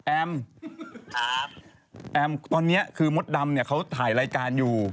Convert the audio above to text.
แอมแอมตอนนี้คือมดดำเนี่ยเขาถ่ายรายการอยู่